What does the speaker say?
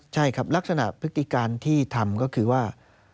ใช่ครับลักษณะพฤติการที่ทำก็คือว่า